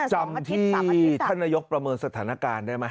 จำที่ท่านนายกประเมินสถานการณ์ได้ไหม